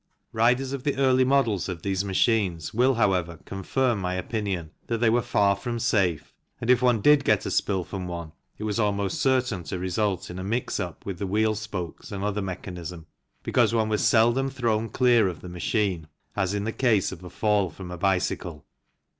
Riders of the early models of these machines will, however, confirm my opinion that they were far from safe, and if one did get a spill from one it was almost certain to result in a mix up with the wheel spokes and other mechanism, because one was seldom thrown clear of the machine as in the case of a fall from a bicycle.